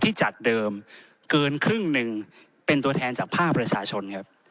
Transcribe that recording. ที่จัดเดิมเกินครึ่งหนึ่งเป็นตัวแทนจากภาคประชาชนครับ